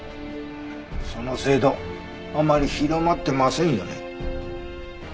その制度あまり広まってませんよね。